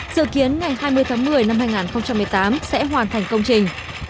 dự kiến ngày hai mươi tháng một mươi năm hai nghìn một mươi tám sẽ hoàn thành công trình